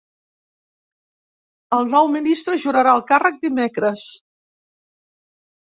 El nou ministre jurarà el càrrec dimecres.